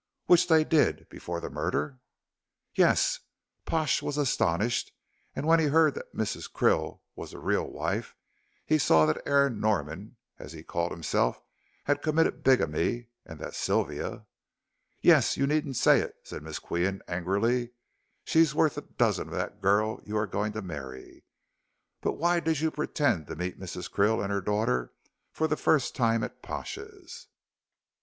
"Which they did, before the murder?" "Yes. Pash was astonished, and when he heard that Mrs. Krill was the real wife, he saw that Aaron Norman, as he called himself, had committed bigamy, and that Sylvia " "Yes, you needn't say it," said Miss Qian, angrily, "she's worth a dozen of that girl you are going to marry. But why did you pretend to meet Mrs. Krill and her daughter for the first time at Pash's?"